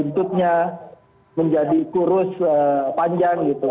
bentuknya menjadi kurus panjang gitu